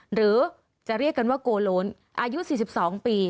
หรือจะเรียกกันว่าโกโลนอายุสี่สิบสองปี